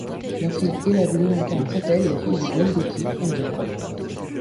Leur fille Ella Bleu incarne quant à elle la fille de John Gotti, Angel.